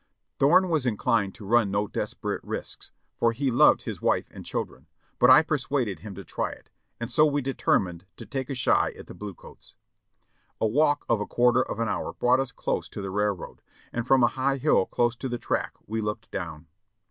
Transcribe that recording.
Thorne was inclined to run no des perate risks, for he loved his wife and children ; but I persuaded him to try it, and so we determined to take a shy at the blue coats. A walk of a quarter of an hour brought us close to the rail road, and from a high hill close to the track we looked down.